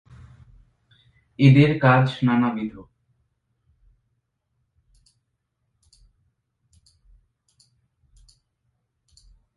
এদের কাজ নানাবিধ।